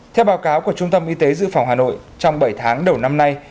theo báo cáo của trung tâm y tế dự phòng hà nội trong bảy tháng đầu năm nay